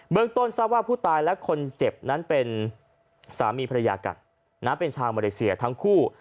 เมืองต้นทราบว่าผู้ตายและคนเจ็บนั้นเป็นสามีภรรยากันเป็นชาวมาเลเซียทั้งคู่